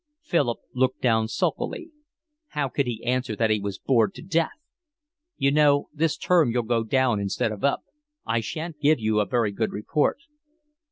Philip looked down sulkily. How could he answer that he was bored to death? "You know, this term you'll go down instead of up. I shan't give you a very good report."